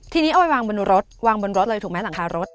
ทีนี้เอาไปวางบนรถวางบนรถเลยถูกไหมหลังคารถ